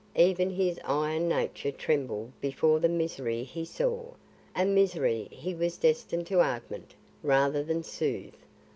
Even his iron nature trembled before the misery he saw a misery he was destined to augment rather than soothe.